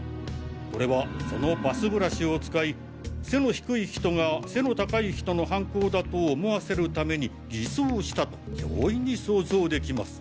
これはそのバスブラシを使い背の低い人が背の高い人の犯行だと思わせる為に偽装したと容易に想像できます。